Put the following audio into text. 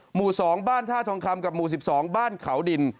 หมู่๒บ้านท่าทองคำกับหมู่๑๒บ้านเขาดิน